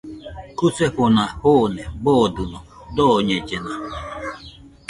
Jusefona jone boodɨno, dooñellena.